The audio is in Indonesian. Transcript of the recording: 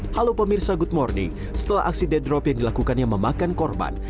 halo pemirsa good morning setelah aksi dead drop yang dilakukan yang memakan korban